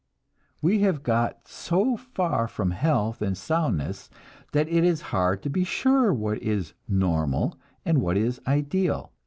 We have got so far from health and soundness that it is hard to be sure what is "normal" and what is "ideal."